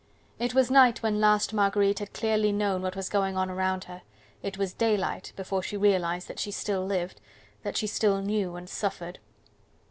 It was night when last Marguerite had clearly known what was going on around her; it was daylight before she realized that she still lived, that she still knew and suffered.